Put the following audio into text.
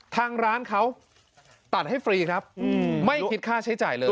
ทางร้านเขาตัดให้ฟรีครับไม่คิดค่าใช้จ่ายเลย